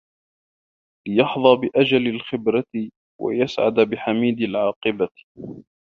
لِيَحْظَى بِأَجَلِّ الْخِبْرَةِ وَيَسْعَدَ بِحَمِيدِ الْعَاقِبَةِ